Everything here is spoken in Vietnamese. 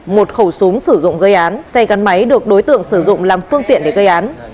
một khẩu súng sử dụng gây án xe gắn máy được đối tượng sử dụng làm phương tiện để gây án